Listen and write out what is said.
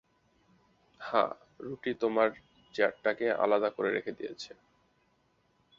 হ্যাঁ, রুটি তোমার চেয়ারটাকেও আলাদা করে রেখে দিয়েছে।